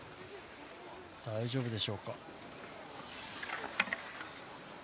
大丈夫でしょうか。